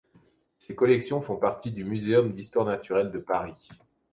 Ses collections font partie du muséum d'histoire naturelle de Paris.